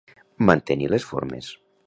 Mantenir les formes.